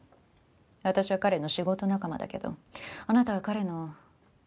私は彼の仕事仲間だけどあなたは彼のファンだから。